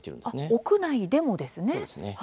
屋内でもですね。